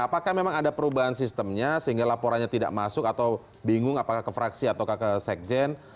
apakah memang ada perubahan sistemnya sehingga laporannya tidak masuk atau bingung apakah ke fraksi atau ke sekjen